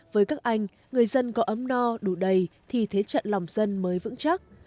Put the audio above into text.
với các anh người dân có ấm no đủ đầy thì thế trận lòng dân mới vững chắc